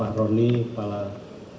pak aridono mewakili polri